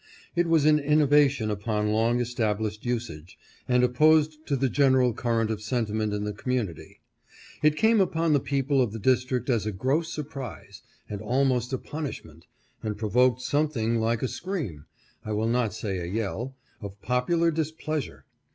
It was an innovation upon long established usage, and opposed to the general current of sentiment in the community. It came upon the people of the District as a gross surprise, and almost a punishment; and pro voked something like a scream — I will not say a yell — of popular displeasure.